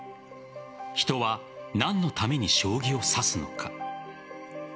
人は何のために将棋を指すのか。